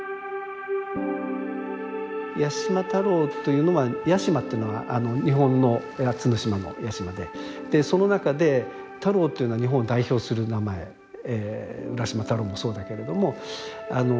八島太郎というのは八島っていうのが日本の八つの島の八洲でその中で太郎というのは日本を代表する名前浦島太郎もそうだけれどもあの太郎をくっつけると。